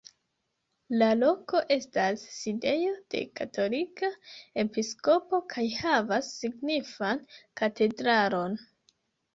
La loko estas sidejo de katolika episkopo kaj havas signifan katedralon.